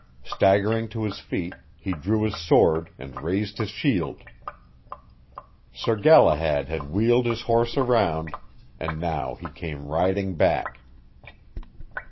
Staggering to his feet, he drew his sword and raised his shield. Sir Galahad had wheeled his horse around, and now he came riding back.